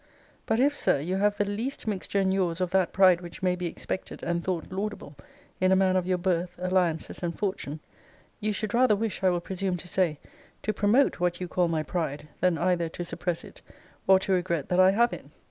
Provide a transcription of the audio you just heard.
But if, Sir, you have the least mixture in yours of that pride which may be expected, and thought laudable, in a man of your birth, alliances, and fortune, you should rather wish, I will presume to say, to promote what you call my pride, than either to suppress it, or to regret that I have it.